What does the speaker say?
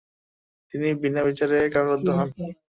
তিনি বিনাবিচারে কারারুদ্ধ হন।